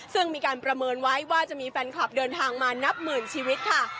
ซึ่งมีการประเมินไว้ว่าจะมีแฟนคลับเดินทางมานับหมื่นชีวิตค่ะ